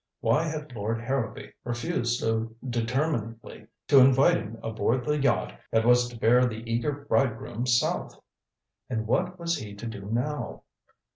Why had Lord Harrowby refused so determinedly to invite him aboard the yacht that was to bear the eager bridegroom south? And what was he to do now?